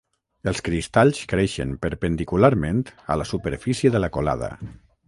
Els cristalls creixen perpendicularment a la superfície de la colada.